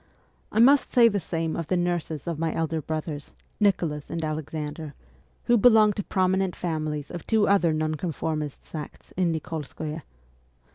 I must say the same of the nurses of my elder brothers, Nicholas and Alexander, who belonged to prominent families of two other Nonconformist sects in Nikolskoye.